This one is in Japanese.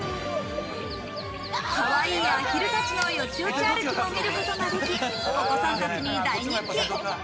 かわいいアヒルたちのよちよち歩きも見ることができ、お子さんたちに大人気！